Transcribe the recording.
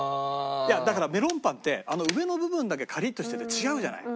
いやだからメロンパンって上の部分だけカリッとしてて違うじゃない。